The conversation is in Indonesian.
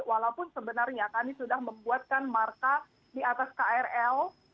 walaupun sebenarnya kami sudah membuatkan marka di atas krl